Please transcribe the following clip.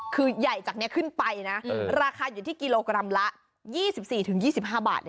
คือใหญ่จากนี้ขึ้นไปนะราคาอยู่ที่กิโลกรัมละ๒๔๒๕บาท